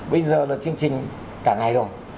bây giờ là chương trình cả ngày rồi